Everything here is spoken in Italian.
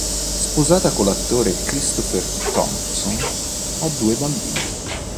Sposata con l'attore Christopher Thompson, ha due bambini.